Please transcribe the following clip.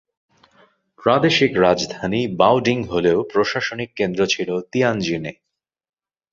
প্রাদেশিক রাজধানী বাওডিং হলেও প্রশাসনিক কেন্দ্র ছিল তিয়ানজিনে।